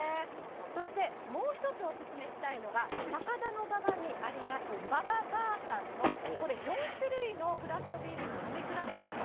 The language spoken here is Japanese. そしてもう一つお勧めしたいのが、高田馬場にあります、ばばバーさんのこれ、４種類のクラフトビールの飲み比べセット。